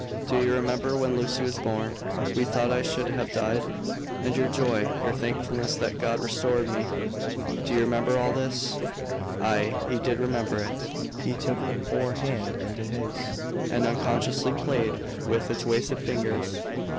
Do you remember when Lucy was born, we thought I should have died; and your joy, your thankfulness that God restored me? Do you remember all this?" Aye. He did remember it. He took the poor hand into his, and unconsciously played with its wasted fingers.